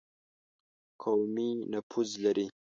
قومي نفوذ لري.